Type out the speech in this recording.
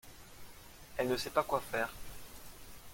Elle ne sait pas quoi faire.